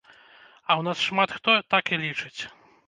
А ў нас шмат хто так і лічыць.